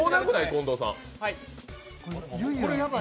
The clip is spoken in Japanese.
近藤さん。